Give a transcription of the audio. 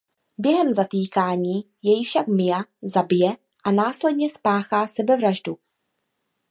Během zatýkání jej však Mia zabije a následně spáchá sebevraždu.